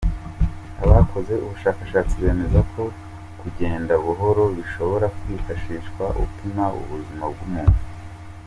Abakoze ubushakashatsi bemeza ko kugenda buhoro bishobora kwifashishwa upima ubuzima bw’umuntu.